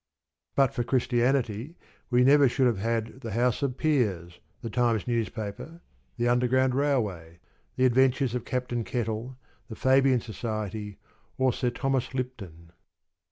But for Christianity we never should have had the House of Peers, the Times newspaper, the Underground Railway, the Adventures of Captain Kettle, the Fabian Society, or Sir Thomas Lipton.